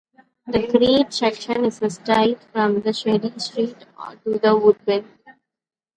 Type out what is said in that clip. The Keating section is straight from Cherry Street to Woodbine.